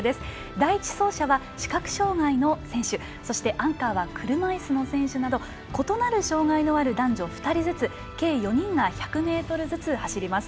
第１走者は視覚障がいの選手そしてアンカーは車いすの選手など異なる障がいのある男女２人ずつ計４人が１００ｍずつ走ります。